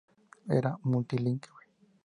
Era multilingüe.